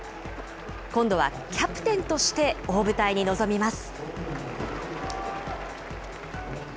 今度はキャプテンとして大舞台に臨みます。